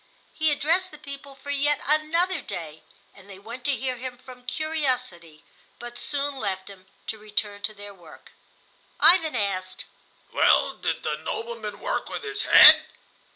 He addressed the people for yet another day, and they went to hear him from curiosity, but soon left him to return to their work. Ivan asked, "Well, did the nobleman work with his head?"